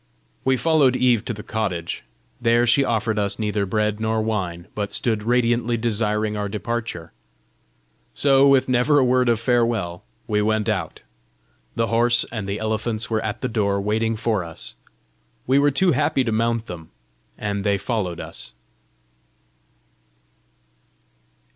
We followed Eve to the cottage. There she offered us neither bread nor wine, but stood radiantly desiring our departure. So, with never a word of farewell, we went out. The horse and the elephants were at the door, waiting for us. We were too happy to mount them, and they followed us.